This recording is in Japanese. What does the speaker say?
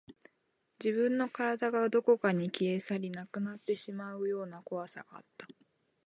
自分の体がどこかに消え去り、なくなってしまうような怖さがあった